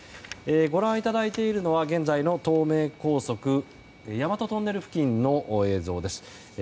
ご覧いただいているのは現在の東名高速大和トンネル付近の現在の映像です。